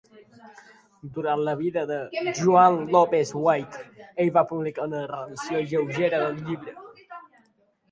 Durant la vida de J. L. White, ell va publicar una revisió lleugera del llibre.